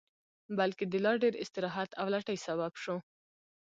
بلکې د لا ډېر استراحت او لټۍ سبب شو